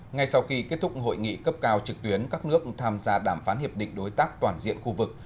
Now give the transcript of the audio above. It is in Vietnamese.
ngay sau khi kết thúc hội nghị cấp cao trực tuyến các nước tham gia đàm phán hiệp định đối tác toàn diện khu vực